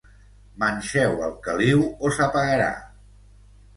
Manxeu el caliu o s'apagarà.